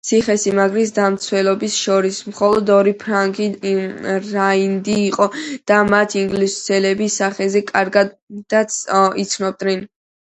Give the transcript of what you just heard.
ციხესიმაგრის დამცველებს შორის მხოლოდ ორი ფრანგი რაინდი იყო და მათ ინგლისელები სახეზე კარგადაც იცნობდნენ.